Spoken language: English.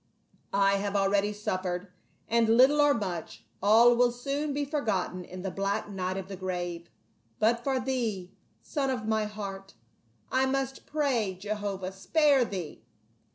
I have already suf fered, and little or much, all will soon be forgotten in the black night of the grave. But for thee, son of my heart, I must pray, Jehovah spare thee